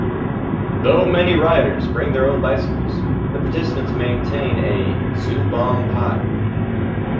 Though many riders bring their own bicycles, the participants maintain a "Zoobomb pile".